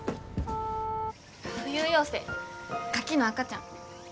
浮遊幼生カキの赤ちゃん。